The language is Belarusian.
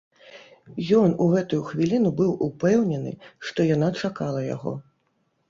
Ён у гэтую хвіліну быў упэўнены, што яна чакала яго.